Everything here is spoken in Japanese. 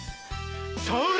それ！